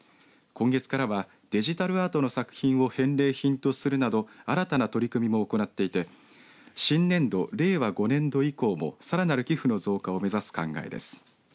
今月からはデジタルアートの作品を返礼品とするなど新たな取り組みも行っていて新年度令和５年度以降もさらなる寄付の増加を目指す考えです。